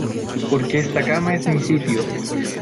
Porque esta cama es mi sitio.